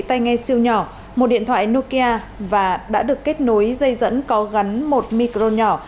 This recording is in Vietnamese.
tay nghe siêu nhỏ một điện thoại nokia và đã được kết nối dây dẫn có gắn một micron nhỏ